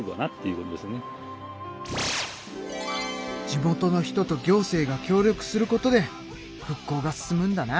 地元の人と行政が協力することで復興が進むんだな。